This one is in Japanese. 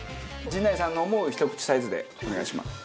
陣内さんの思うひと口サイズでお願いします。